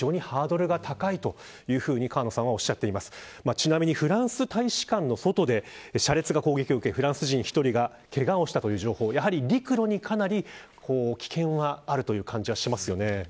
ちなみに、フランス大使館の外で車列が攻撃を受けフランス人１人がけがをしたという情報やはり陸路にかなり危険がある感じはしますよね。